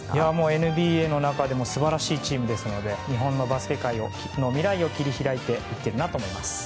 ＮＢＡの中でも素晴らしいチームですので日本のバスケ界の未来を切り開いていってるなと思います。